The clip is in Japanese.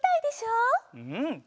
うん。